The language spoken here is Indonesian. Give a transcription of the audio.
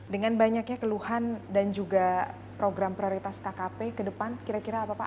dengan banyaknya keluhan dan juga program prioritas kkp ke depan kira kira apa pak